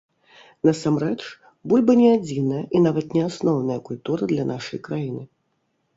Насамрэч, бульба не адзіная і нават не асноўная культура для нашай краіны.